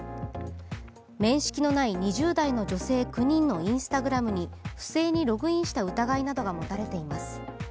面識のない２０代の女性９人のＩｎｓｔａｇｒａｍに不正にログインした疑いなどが持たれています。